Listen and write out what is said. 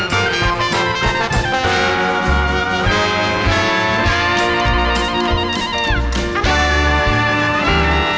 โปรดติดตามต่อไป